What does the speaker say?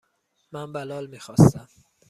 من بلال میخواستم.